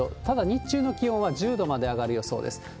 ただ、日中の気温は１０度まで上がる予想です。